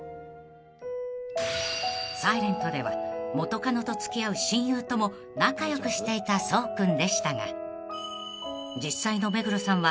［『ｓｉｌｅｎｔ』では元カノと付き合う親友とも仲良くしていた想君でしたが］